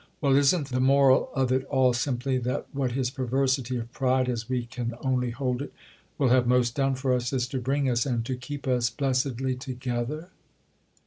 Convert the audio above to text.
"Well, isn't the moral of it all simply that what his perversity of pride, as we can only hold it, will have most done for us is to bring us—and to keep us—blessedly together?"